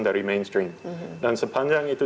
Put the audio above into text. dari mainstream dan sepanjang itu